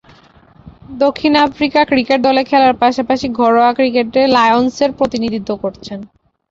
দক্ষিণ Africa cricket দলে খেলার পাশাপাশি ঘরোয়া ক্রিকেটে লায়ন্সের প্রতিনিধিত্ব করছেন।